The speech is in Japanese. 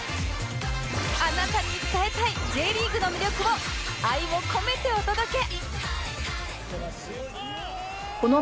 あなたに伝えたい Ｊ リーグの魅力を愛を込めてお届け！